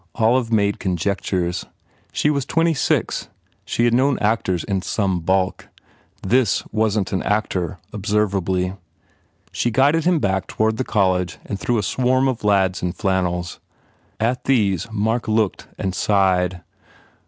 Olive made conjectures. She was twenty six. She had known actors in some bulk. This wasn t an actor, observably. She guided him back toward the college and through a swarm of lads in flannels. At these Mark looked and sighed.